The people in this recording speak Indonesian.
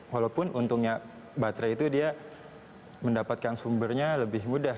walaupun untungnya baterai itu dia mendapatkan sumbernya lebih mudah